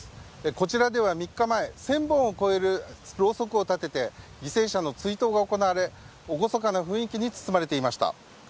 こちらでは３日前１０００本を超えるろうそくを立てて犠牲者の追悼が行われ厳かな雰囲気に包まれていました。